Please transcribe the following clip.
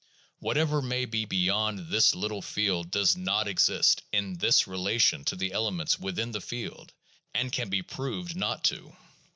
"Whatever may be beyond this little field does not exist in this relation to the elements within the field, and can be proved not to.